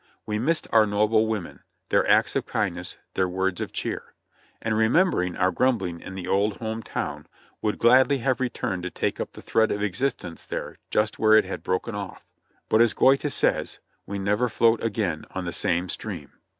We missed our noble women, their acts of kindness, their words of cheer ; and remembering our grumbling in the old home town, would gladly have returned to take up the thread of existence there just where it had broken off. But as Goethe says, "We never float again on the same stream."